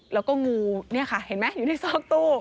แล้วก็งูเนี่ยค่ะเห็นไหมอยู่ในซอกตู้